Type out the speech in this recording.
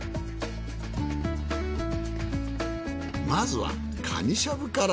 まずはカニしゃぶから。